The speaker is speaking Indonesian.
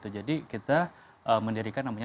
jadi kita mendirikan namanya